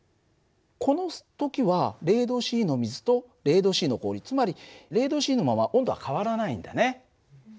この時は０℃の水と０℃の氷つまり０℃のまま温度は変わらないんだね。